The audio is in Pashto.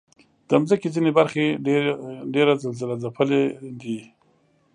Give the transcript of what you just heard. د مځکې ځینې برخې ډېر زلزلهځپلي دي.